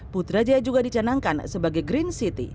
putrajaya juga dicanangkan sebagai green city